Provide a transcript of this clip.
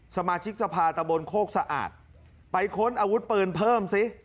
สมาชิกสภาตะบนโคกสะอาดไปค้นอาวุธปืนเพิ่มซิ